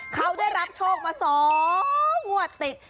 เขาได้รับโชคมา๒งวดติด